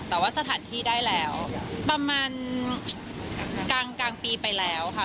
แต่ว่าสถานที่ได้แล้วประมาณกลางปีไปแล้วค่ะ